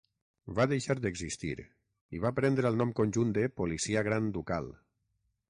Va deixar d'existir i va prendre el nom conjunt de Policia Gran Ducal.